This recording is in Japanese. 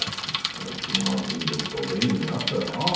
最近はずいぶんと便利になったよなあ。